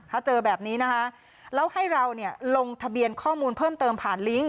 ถ้าเจอแบบนี้นะคะแล้วให้เราเนี่ยลงทะเบียนข้อมูลเพิ่มเติมผ่านลิงก์